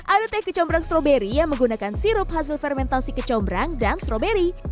ada teh kecombrang stroberi yang menggunakan sirup hasil fermentasi kecombrang dan stroberi